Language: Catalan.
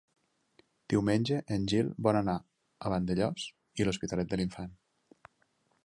Diumenge en Gil vol anar a Vandellòs i l'Hospitalet de l'Infant.